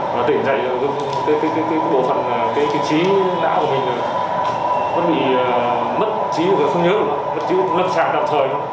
và tỉnh dậy cái bộ phần cái trí đã của mình vẫn bị mất trí không nhớ được mất trí cũng lất sạc đặc thời